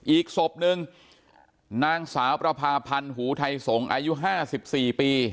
อีกศพหนึ่งนางสาวประพาพันธ์หูไทยสงศ์อายุ๕๔ปี